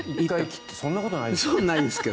そんなことないですよね。